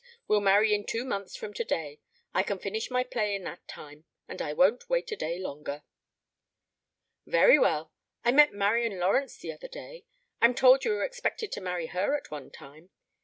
We'll marry two months from today. I can finish my play in that time, and I won't wait a day longer." "Very well. ... I met Marian Lawrence the other day. I'm told you were expected to marry her at one time.